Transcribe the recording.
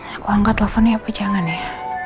aku angkat teleponnya apa jangan ya